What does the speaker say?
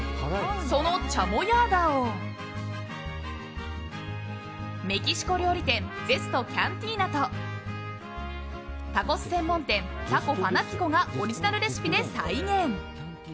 そのチャモヤーダをメキシコ料理店ゼストキャンティーナとタコス専門店タコファナティコがオリジナルレシピで再現。